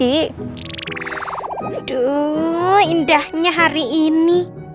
aduh indahnya hari ini